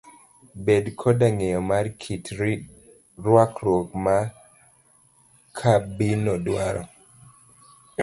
Bed koda ng'eyo mar kit rwakruok ma kambino dwaro.